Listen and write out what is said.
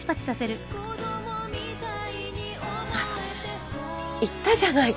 あら言ったじゃない